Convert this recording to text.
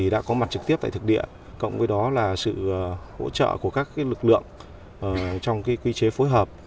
đã có mặt trực tiếp tại thực địa cộng với đó là sự hỗ trợ của các lực lượng trong quy chế phối hợp